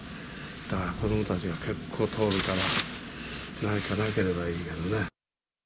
だから子どもたちが結構通るから、何かなければいいけどね。